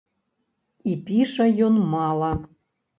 І піша ён мала.